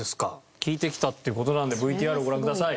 聞いてきたって事なのでＶＴＲご覧ください。